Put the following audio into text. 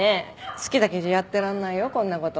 好きだけじゃやってられないよこんな事。